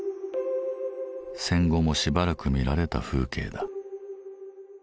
戦後もしばらく見られた風景だ。